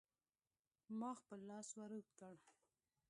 ما خپل لاس ور اوږد کړ.